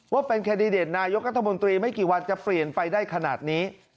ว่าเป็นแคนดิเดตนายกรัฐมนตรีไม่กี่วันจะเปลี่ยนไปได้ขนาดนี้